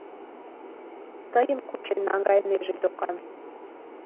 Тыйым кучен наҥгайынеже докан.